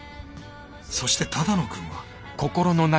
そして只野くんは。